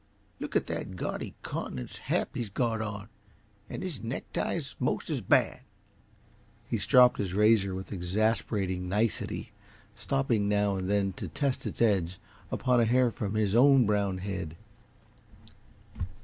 Look at that gaudy countenance Happy's got on and his necktie's most as bad." He stropped his razor with exasperating nicety, stopping now and then to test its edge upon a hair from his own brown head.